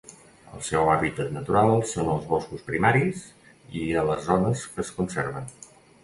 El seu hàbitat natural són els boscos primaris i a les zones que es conserven.